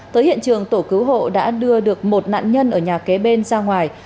tới hiện trường tổ cứu hộ đã đưa được một nạn nhân ở nhà kế bên ra ngoài